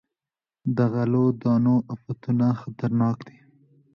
د غلو دانو افتونه خطرناک دي.